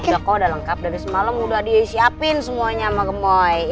udah kok udah lengkap dari semalam udah disiapin semuanya sama gemboy